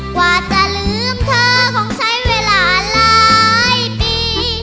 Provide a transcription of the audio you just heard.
กว่าจะลืมเธอคงใช้เวลาหลายปี